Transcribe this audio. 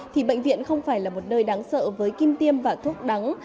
thì bệnh viện không phải là một nơi đáng sợ với kim tiêm và thuốc đắng